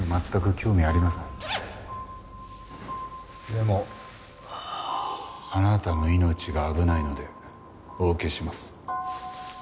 でもあなたの命が危ないのでお受けします。